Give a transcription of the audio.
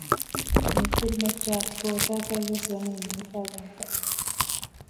ނިތްކުރި މައްޗާއި ކޯތަފަތްވެސް ވަނީ ނޫފައިގަންފަ